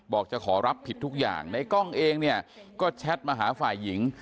จะขอรับผิดทุกอย่างในกล้องเองเนี่ยก็แชทมาหาฝ่ายหญิง